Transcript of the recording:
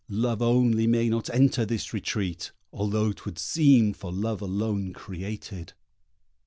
Love only may not enter this retreat, Although 'twould seem for Love alone created.